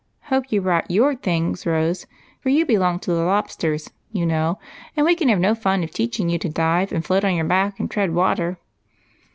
Hojie you brought i/oiw things, Rose, for you belong to the Lob sters^ you know, and we can have no end of fun teach ing you to dive and float and tread water."